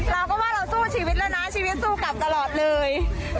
เราก็ว่าเราสู้ชีวิตแล้วนะชีวิตสู้กลับตลอดเลย